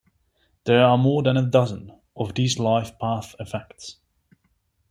There are more than a dozen of these live path effects.